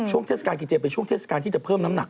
เทศกาลกินเจเป็นช่วงเทศกาลที่จะเพิ่มน้ำหนัก